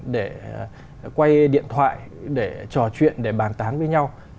để quay điện thoại để trò chuyện để bàn tán với nhau